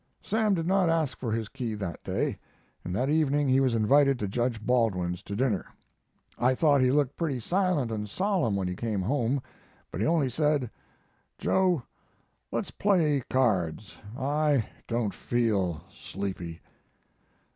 Sam did not ask for his key that day, and that evening he was invited to judge Baldwin's to dinner. I thought he looked pretty silent and solemn when he came home; but he only said: "'Joe, let's play cards; I don't feel sleepy.'